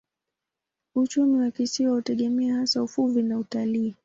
Uchumi wa kisiwa hutegemea hasa uvuvi na utalii.